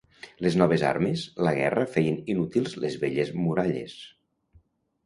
Les noves armes la guerra feien inútils les velles muralles.